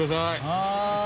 はい。